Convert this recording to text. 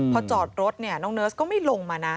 พอจอดรถเนี่ยน้องเนิร์สก็ไม่ลงมานะ